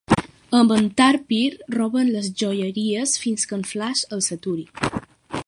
Amb en Tar Pir roben les joieries fins que en Flash els aturi.